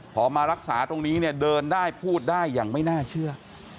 พอมารักษาตรงนี้เนี่ยเดินได้พูดได้อย่างไม่น่าเชื่อ